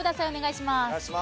お願いします。